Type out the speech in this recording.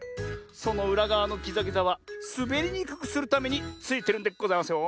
そのうらがわのぎざぎざはすべりにくくするためについてるんでございますよ。